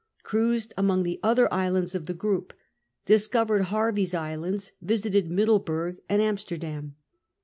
Cruised among the other islands of the group. Discovered Hervey's Islands. Visited Middleburg and Amsterdam.